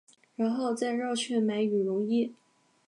然后再绕去买羽绒衣